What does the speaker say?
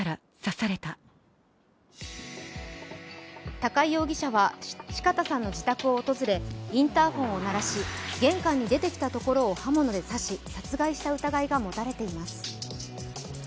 高井容疑者は四方さんの自宅を訪れインターホンを鳴らし、玄関に出てきたところを刃物で刺し殺害した疑いが持たれています。